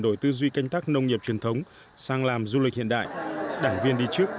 đổi tư duy canh tác nông nghiệp truyền thống sang làm du lịch hiện đại đảng viên đi trước